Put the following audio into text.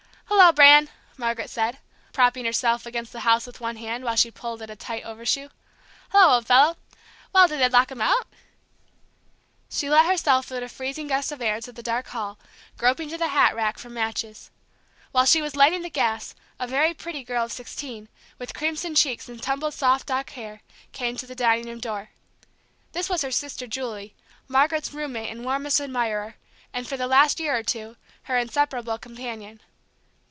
"Hello, Bran!" Margaret said, propping herself against the house with one hand, while she pulled at a tight overshoe. "Hello, old fellow! Well, did they lock him out?" She let herself and a freezing gust of air into the dark hall, groping to the hat rack for matches. While she was lighting the gas, a very pretty girl of sixteen, with crimson cheeks and tumbled soft dark hair, came to the dining room door. This was her sister Julie, Margaret's roommate and warmest admirer, and for the last year or two her inseparable companion.